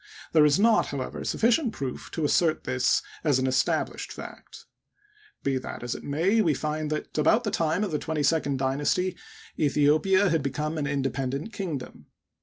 There is not, however, sufficient proof to assert this as an established fact. Be that as it may, we find that, about the time of the twenty second dynasty, Aethiopia had become an independent kingdom.